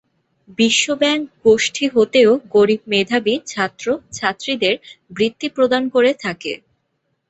বিশ্ব ব্যাংক গোষ্ঠী হতেও গরীব মেধাবী ছাত্র-ছাত্রীদের বৃত্তি প্রদান করে থাকে।